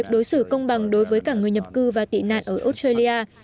đối xử công bằng đối với cả người nhập cư và tị nạn ở australia